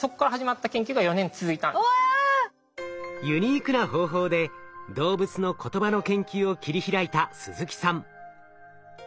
ユニークな方法で動物の言葉の研究を切り開いた鈴木さん。